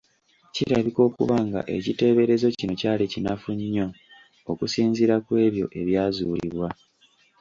Kirabika okuba nga ekiteeberezo kino kyali kinafu nnyo okusinziira kw’ebyo ebyazuulibwa.